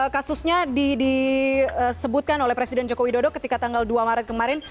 kasusnya disebutkan oleh presiden joko widodo ketika tanggal dua maret kemarin